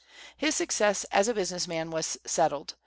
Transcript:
His success as a business man was settled.